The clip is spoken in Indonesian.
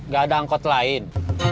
gak ada angkot lain